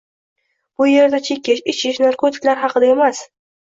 Bu yerda chekish, ichish, narkotiklar haqida emas.